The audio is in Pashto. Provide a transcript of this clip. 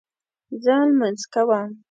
زه لمونځ کوم